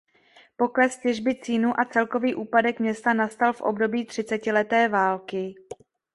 Pokles těžby cínu a celkový úpadek města nastal v období třicetileté války.